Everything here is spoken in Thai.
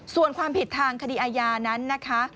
ส่วนความผิดทางคดีอาญานั้นนะคะ